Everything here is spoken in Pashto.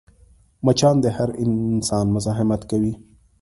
مچان د هر انسان مزاحمت کوي